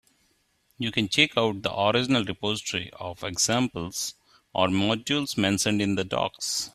You can check out the original repository of examples or modules mentioned in the docs.